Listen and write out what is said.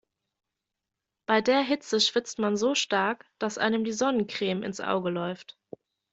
Bei der Hitze schwitzt man so stark, dass einem die Sonnencreme ins Auge läuft.